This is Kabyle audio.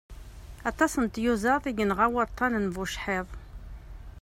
Aṭas n tyuzaḍ i yenɣa waṭan n bucḥiḍ.